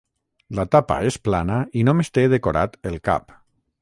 La tapa és plana i només té decorat el cap.